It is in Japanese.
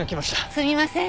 すみません。